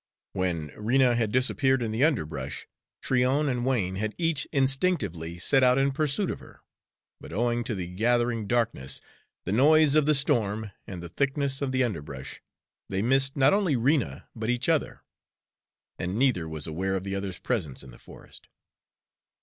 When Rena had disappeared in the underbrush, Tryon and Wain had each instinctively set out in pursuit of her, but owing to the gathering darkness, the noise of the storm, and the thickness of the underbrush, they missed not only Rena but each other, and neither was aware of the other's presence in the forest.